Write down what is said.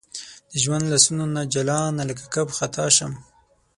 د ژوند لاسونو نه جلانه لکه کب خطا شم